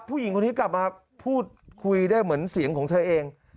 ผู้หญิงคนนี้กลับมาพูดคุยได้เหมือนเสียงของเธอเอง